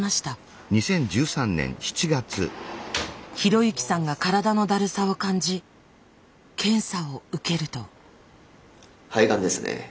啓之さんが体のだるさを感じ検査を受けると。